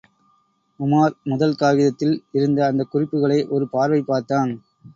உமார், முதல் காகிதத்தில் இருந்த அந்தக் குறிப்புகளை ஒரு பார்வை பார்த்தான்.